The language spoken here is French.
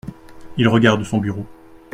Il regarde son bureau.